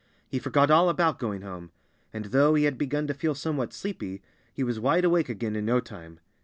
He forgot all about going home. And though he had begun to feel somewhat sleepy, he was wide awake again in no time.